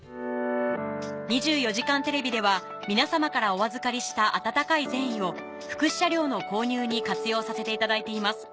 『２４時間テレビ』では皆さまからお預かりした温かい善意を福祉車両の購入に活用させていただいています